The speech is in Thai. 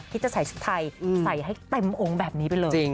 จะใส่ชุดไทยใส่ให้เต็มองค์แบบนี้ไปเลย